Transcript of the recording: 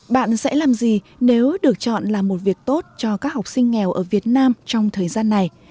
bạn sẽ làm gì nếu được chọn là một việc tốt cho các học sinh nghèo ở việt nam trong thời gian này